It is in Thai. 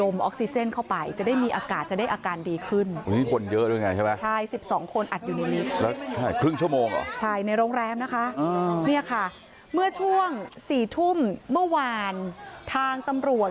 เมื่อช่วง๔ทุ่มเมื่อวานทางตัมรวจ